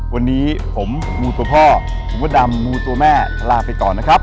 วันนี้ผมมูตัวพ่อคุณมดดำมูตัวแม่ลาไปก่อนนะครับ